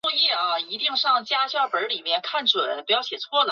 直播时段较竞争对手无线娱乐新闻台为多。